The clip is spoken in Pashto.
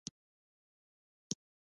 آزاد تجارت مهم دی ځکه چې ژوند اسانوي.